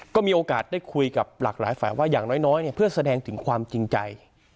ก็มีโอกาสได้คุยกับหลากหลายฝ่ายว่าอย่างน้อยเพื่อแสดงถึงความจริงใจ